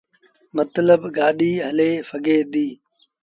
متلب گآڏيٚ هلي سگھي ديٚ۔